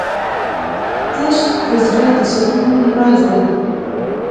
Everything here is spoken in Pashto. عشق د زړه د سکون راز دی.